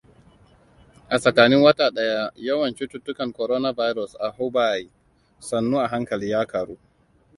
A tsakanin wata daya, yawan cututtukan coronavirus a Hubei sannu a hankali ya ƙaru.